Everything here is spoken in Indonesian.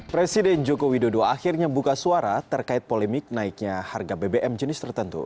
presiden joko widodo akhirnya buka suara terkait polemik naiknya harga bbm jenis tertentu